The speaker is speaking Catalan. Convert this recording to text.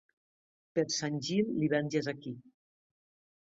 Per Sant Gil, l'hivern ja és aquí.